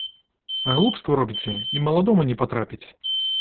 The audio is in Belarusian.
А глупства робіце, і маладому не патрапіць.